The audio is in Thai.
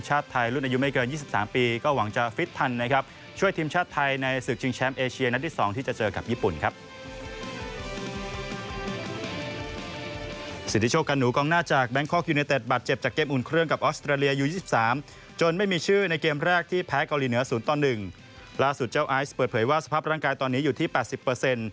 อายส์เปิดเผยว่าสภาพร่างกายตอนนี้อยู่ที่ประสิทธิ์เปอร์๑๓